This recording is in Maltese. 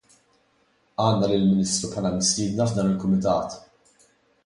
Għandna lill-Ministru bħala mistiedna f'dan il-Kumitat.